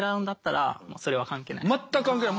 全く関係ない。